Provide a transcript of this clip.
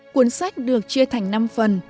cuốn sách được chia thành năm phần